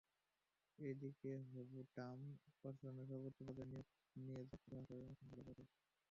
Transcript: এদিকে, হবু ট্রাম্প প্রশাসনের সর্বোচ্চ পর্যায়ের নিয়োগ নিয়ে সৃষ্ট ধোঁয়াশার অবসান ঘটতে চলেছে।